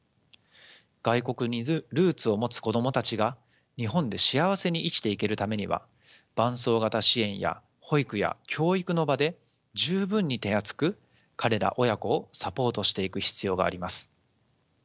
外国にルーツを持つ子どもたちが日本で幸せに生きていけるためには伴走型支援や保育や教育の場で十分に手厚く彼ら親子をサポートしていく必要があります。